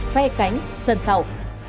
phe cánh sân sầu